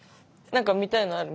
何か見たいのある？